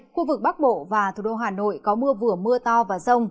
khu vực bắc bộ và thủ đô hà nội có mưa vừa mưa to và rông